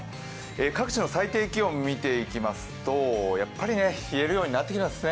各地の最低気温、見ていきますとやっぱり冷えるようになってきましたね。